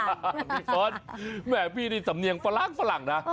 พี่สนแผ่นฟี่ในสำเนียงฝรั่งฝรั่งนะ